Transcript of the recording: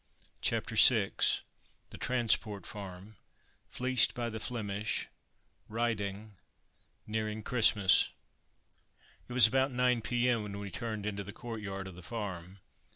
CHAPTER VI THE TRANSPORT FARM FLEECED BY THE FLEMISH RIDING NEARING CHRISTMAS It was about 9 p.m. when we turned into the courtyard of the farm.